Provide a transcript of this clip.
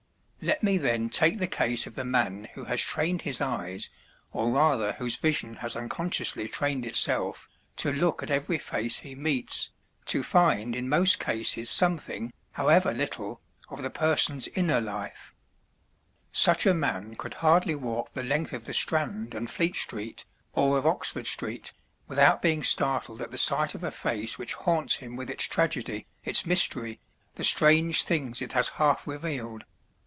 Let me then take the case of the man who has trained his eyes, or rather whose vision has unconsciously trained itself, to look at every face he meets, to find in most cases something, however little, of the person's inner life. Such a man could hardly walk the length of the Strand and Fleet street or of Oxford street without being startled at the sight of a face which haunts him with its tragedy, its mystery, the strange things it has half revealed.